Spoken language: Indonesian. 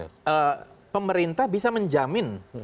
jadi pemerintah bisa menjamin